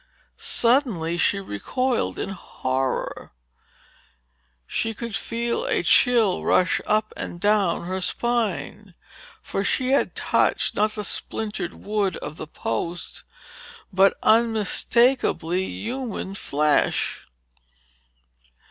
Suddenly she recoiled in horror. She could feel a chill rush up and down her spine. For she had touched, not the splintered wood of the post, but, unmistakably, human flesh.